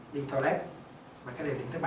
đi toilet và cái điểm thứ ba